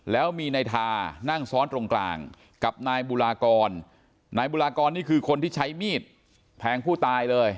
แล้วมีนายทานั่งซ้อนตรงกลางกับนายบุรากรนายบุรากรนี่คือคนที่ใช้มีดแทงผู้ตายเลย